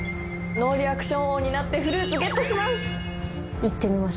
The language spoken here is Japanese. ノーリアクション王になってフルーツゲットします。